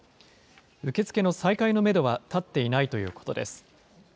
受け付けの再開のメドはたっていないということです。